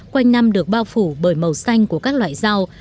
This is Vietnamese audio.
quanh năm được bao phủ bởi màu xanh của các loại rau